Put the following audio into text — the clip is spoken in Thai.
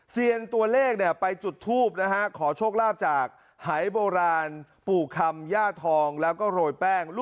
เซียนตัวเลขไปจุดทูบนะฮะขอโชคลาภจากหายโบราณปู่คำย่าทองแล้วก็โรยแป้ง